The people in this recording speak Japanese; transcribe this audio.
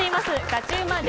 ガチうまっ！